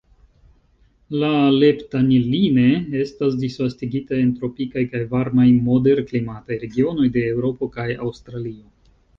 La "Leptanillinae" estas disvastigitaj en tropikaj kaj varmaj moderklimataj regionoj de Eŭropo kaj Aŭstralio.